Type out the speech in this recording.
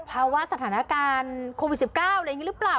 ภาวะสถานการณ์โควิด๑๙อะไรอย่างนี้หรือเปล่า